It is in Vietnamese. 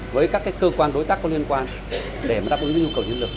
với các cái cơ quan đối tác có liên quan để mà đáp ứng những nhu cầu nhân lực